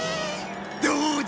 どうだ？